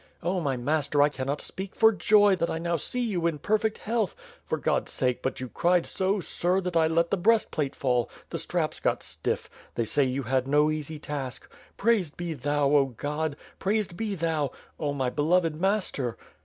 "Oh, my master, I cannot speak for joy that I now sec you in perfect health. ... For God's sake, but you cried so, sir, that I let the breastplate fall. The straps got stiff. They say you had no easy task. Praised by Thou, 0 God! Praised be Thou. ... Oh, my beloved master!"